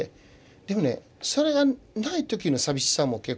でもねそれがない時の寂しさも結構あったりしてて。